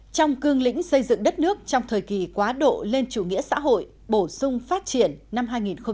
trong cương lĩnh xây dựng đất nước trong thời kỳ quá độ lên chủ nghĩa xã hội bổ sung phát triển năm hai nghìn một mươi một